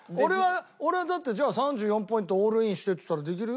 俺はだってじゃあ３４ポイントオールインしてって言ったらできるよ